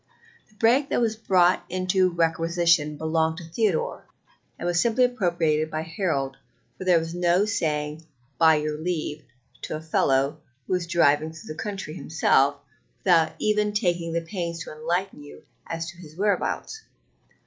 The break that was brought into requisition belonged to Theodore, and was simply appropriated by Harold, for there was no saying "by your leave" to a fellow who went driving through the country himself without even taking the pains to enlighten you as to his whereabouts.